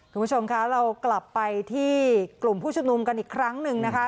คุณผู้ชมคะเรากลับไปที่กลุ่มผู้ชุมนุมกันอีกครั้งหนึ่งนะคะ